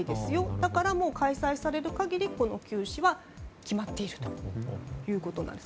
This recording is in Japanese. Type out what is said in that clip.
だから開催される限りこの休止は決まっているということです。